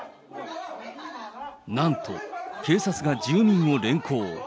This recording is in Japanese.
なんと、警察が住民を連行。